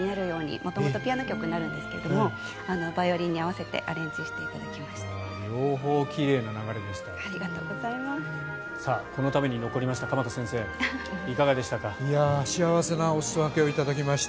元々、ピアノ曲なんですけどバイオリンに合わせてアレンジしていただきました。